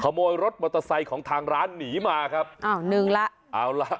ขโมยรถมอเตอร์ไซค์ของทางร้านหนีมาครับอ้าวหนึ่งละเอาล่ะ